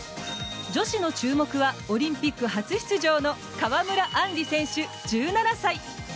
女子の注目はオリンピック初出場の川村あんり選手、１７歳。